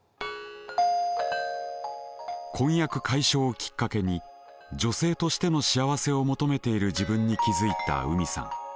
婚約解消をきっかけに女性としての幸せを求めている自分に気付いた海さん。